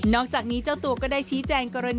อกจากนี้เจ้าตัวก็ได้ชี้แจงกรณี